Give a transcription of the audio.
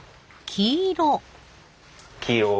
黄色。